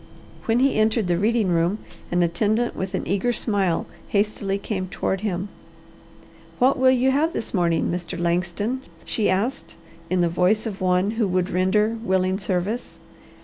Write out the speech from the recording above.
When he entered the reading room an attendant with an eager smile hastily came toward him. "What will you have this morning, Mr. Langston?" she asked in the voice of one who would render willing service.